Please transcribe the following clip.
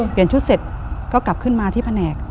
เปลี่ยนชุดเสร็จก็กลับขึ้นมาที่แผนก